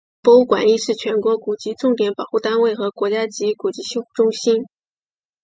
博物馆亦是全国古籍重点保护单位和国家级古籍修复中心。